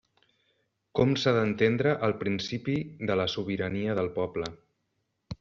Com s'ha d'entendre el principi de la sobirania del poble.